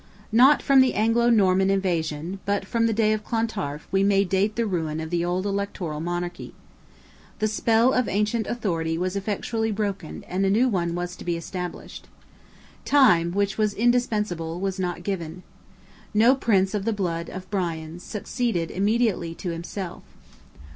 Not from the Anglo Norman invasion, but from the day of Clontarf we may date the ruin of the old electoral monarchy. The spell of ancient authority was effectually broken and a new one was to be established. Time, which was indispensable, was not given. No Prince of the blood of Brian succeeded immediately to himself.